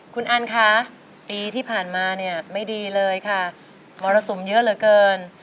คุณอันคะปีที่ผ่านมาเนี่ยไม่ดีเลยค่ะมรสุมเยอะเหลือเกิน